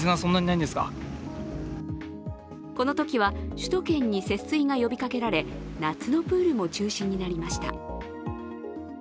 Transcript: このときは首都圏に節水が呼びかけられ、夏のプールも中止になりました。